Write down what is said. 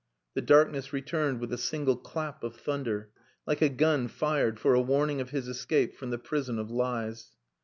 The darkness returned with a single clap of thunder, like a gun fired for a warning of his escape from the prison of lies.